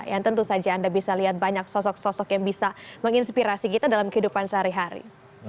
yang tentu saja anda bisa lihat banyak sosok sosok yang bisa menginspirasi kita dalam kehidupan sehari hari